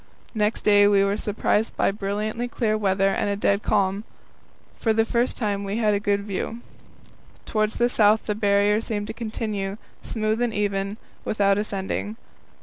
Next day we were surprised by brilliantly clear weather and a dead calm. For the first time we had a good view. Towards the south the Barrier seemed to continue, smooth and even, without ascending.